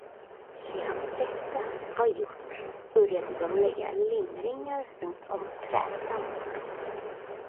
Sedan detta var gjort, började de lägga limringar runt om trädstammarna.